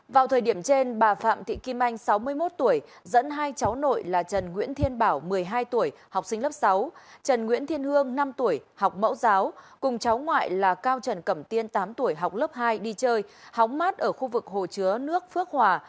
vào thời điểm trên bà phạm thị kim anh sáu mươi một tuổi dẫn hai cháu nội là trần nguyễn thiên bảo một mươi hai tuổi học sinh lớp sáu trần nguyễn thiên hương năm tuổi học mẫu giáo cùng cháu ngoại là cao trần cẩm tiên tám tuổi học lớp hai đi chơi hóng mát ở khu vực hồ chứa nước phước hòa